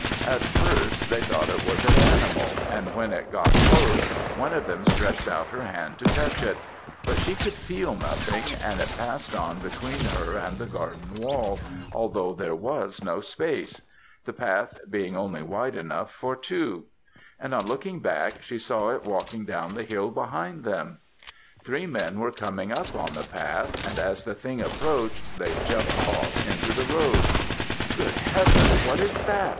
At first, they thought it was an animal; and when it got close, one of them stretched out her hand to touch it; but she could feel nothing, and it passed on between her and the garden wall, although there was no space, the path being only wide enough for two; and on looking back, they saw it walking down the hill behind them. Three men were coming up on the path; and as the thing approached, they jumped off into the road. "'Good heavens, what is that!'